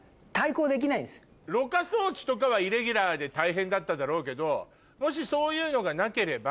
ろ過装置とかはイレギュラーで大変だっただろうけどもしそういうのがなければ。